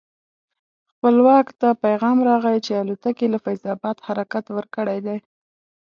خپلواک ته پیغام راغی چې الوتکې له فیض اباد حرکت ورکړی دی.